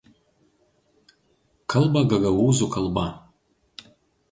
Kalba gagaūzų kalba.